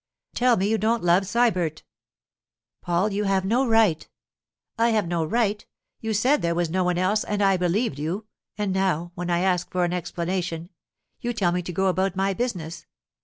'Tell me you don't love Sybert.' 'Paul, you have no right——' 'I have no right! You said there was no one else, and I believed you; and now, when I ask for an explanation, you tell me to go about my business.